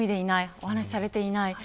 お話ししていない。